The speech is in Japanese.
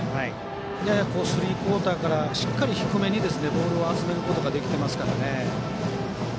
ややスリークオーターからしっかり低めにボールを集めることができていますからね。